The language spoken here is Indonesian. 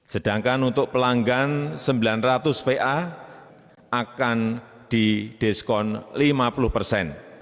sedangkan untuk pelanggan sembilan ratus va akan didiskon lima puluh persen